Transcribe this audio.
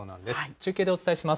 中継でお伝えします。